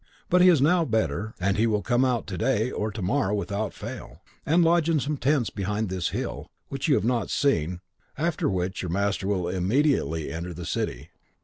But he is now better, and he will come out to day or to morrow without fail, and lodge in some tents behind this hill, which you have not seen, after which your master will immediately enter the city.